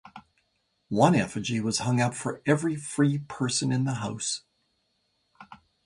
One effigy was hung up for every free person in the house.